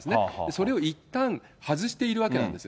それをいったん、外しているわけなんです。